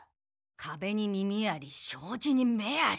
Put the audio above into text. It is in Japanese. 壁に耳あり障子に目あり。